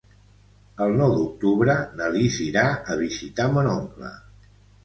El nou d'octubre na Lis irà a visitar mon oncle.